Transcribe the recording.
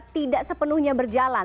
tidak sepenuhnya berjalan